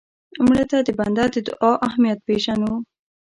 مړه ته د بنده د دعا اهمیت پېژنو